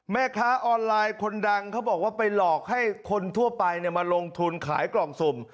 แม่ค้าออนไลน์คนดังเขาบอกว่าไปหลอกให้คนทั่วไปมาลงทุนขายกล่องสุ่ม